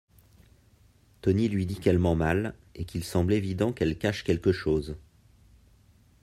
Tony lui dit qu'elle ment mal, et qu'il semble évident qu'elle cache quelque chose.